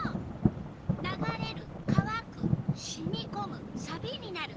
「ながれる」「かわく」「しみこむ」「さびになる」。